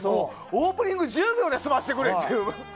オープニング１０秒で済ませてくれっていう。